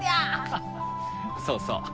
ハハッそうそう